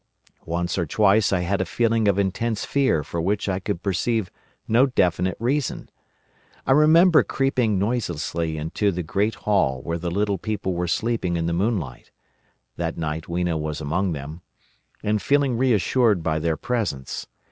Once or twice I had a feeling of intense fear for which I could perceive no definite reason. I remember creeping noiselessly into the great hall where the little people were sleeping in the moonlight—that night Weena was among them—and feeling reassured by their presence.